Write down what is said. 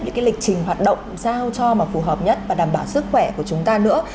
những cái lịch trình hoạt động sao cho mà phù hợp nhất và đảm bảo sức khỏe của chúng ta nữa